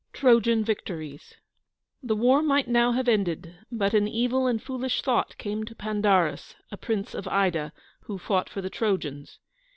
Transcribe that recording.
TROJAN VICTORIES The war might now have ended, but an evil and foolish thought came to Pandarus, a prince of Ida, who fought for the Trojans.